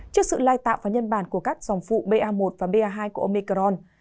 trước sự lai tạo và nhân bản của các dòng phụ ba một và ba hai của omicron